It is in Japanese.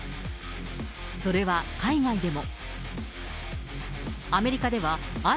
それは海外でも。